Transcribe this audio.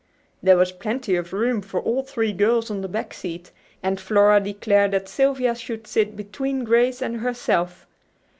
There was plenty of room for all three girls on the back seat, and Flora declared that Sylvia should sit between Grace and herself.